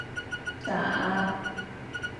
打